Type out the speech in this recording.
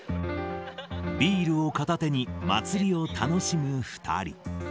ビールを片手に祭りを楽しむ２人。